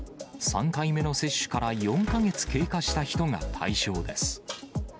３回目の接種から４か月経過した人が対象です。